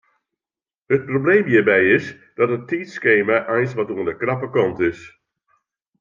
It probleem hjirby is dat it tiidskema eins wat oan de krappe kant is.